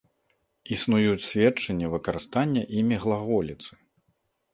Існуюць сведчанні выкарыстання імі глаголіцы.